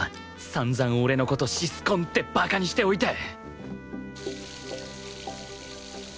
散々俺の事シスコンってバカにしておいて！